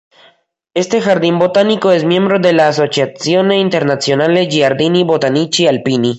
Este jardín botánico es miembro de la Associazione Internazionale Giardini Botanici Alpini.